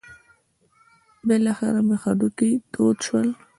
بالاخره مې هډوکي تود شول.